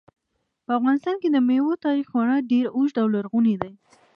په افغانستان کې د مېوو تاریخ خورا ډېر اوږد او لرغونی دی.